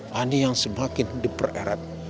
hanya yang semakin dipererat